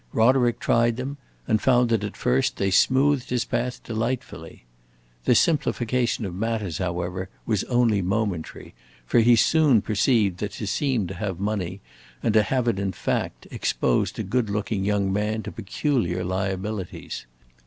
Roderick tried them and found that at first they smoothed his path delightfully. This simplification of matters, however, was only momentary, for he soon perceived that to seem to have money, and to have it in fact, exposed a good looking young man to peculiar liabilities.